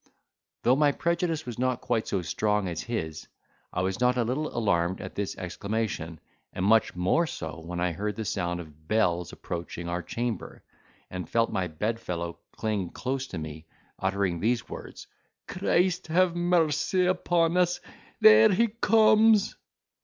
Though my prejudice was not quite so strong as his, I was not a little alarmed at this exclamation, and much more so when I heard the sound of bells approaching our chamber, and felt my bedfellow cling close to me, uttering these words, "Christ have mercy upon us; there he comes!"